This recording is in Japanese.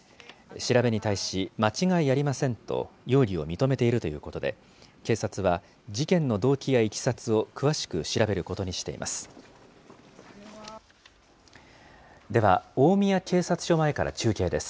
調べに対し、間違いありませんと、容疑を認めているということで、警察は事件の動機やいきさつを詳しく調べることにしています。